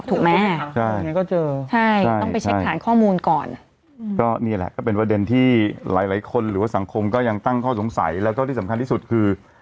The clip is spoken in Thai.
ถูกไหมใช่ไงก็เจอใช่ต้องไปเช็คฐานข้อมูลก่อนก็นี่แหละก็เป็นประเด็นที่หลายหลายคนหรือว่าสังคมก็ยังตั้งข้อสงสัยแล้วก็ที่สำคัญที่สุดคือ